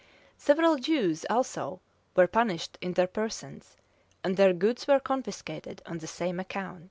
Several Jews, also, were punished in their persons, and their goods were confiscated on the same account.